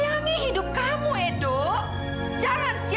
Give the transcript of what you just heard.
mama nggak mau hidup kamu hancur hanya gara gara camilla